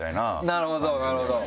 なるほどなるほど。